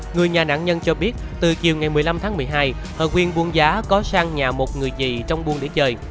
người nhà nạn nhân cho biết từ chiều ngày một mươi năm tháng một mươi hai hợ quyên quân giá có sang nhà một người gì trong buôn để chơi